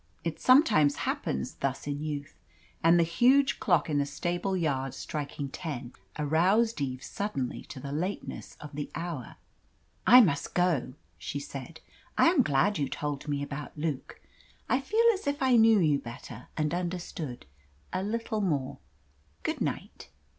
It sometimes happens thus in youth. And the huge clock in the stable yard striking ten aroused Eve suddenly to the lateness of the hour. "I must go," she said. "I am glad you told me about Luke. I feel as if I knew you better and understood a little more. Good night."